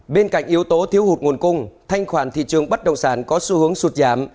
bên cạnh yếu tố thiếu hụt nguồn cung thanh khoản thị trường bất động sản có xu hướng sụt giảm